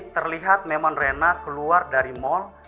terlihat memang rena keluar dari mal